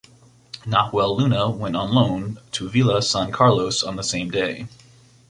Nahuel Luna went on loan to Villa San Carlos on the same day.